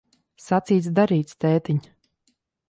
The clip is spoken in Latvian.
Sacīts, darīts, tētiņ.